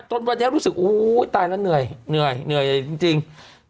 จนวันนี้รู้สึกอุ้ยตายแล้วเหนื่อยเหนื่อยจริง